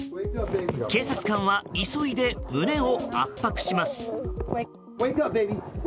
警察官は急いで胸を圧迫します。